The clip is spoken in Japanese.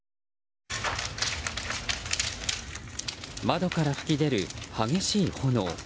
窓から噴き出る激しい炎。